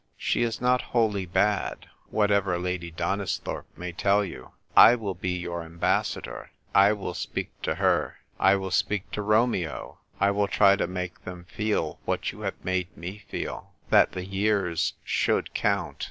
She is not wholly bad, whatever Lady Donisthorpe may tell you. I will be your ambassador. I will speak to her; I w^ill speak to Romeo. I will try to make them feel what you have made me feel — that the years should count.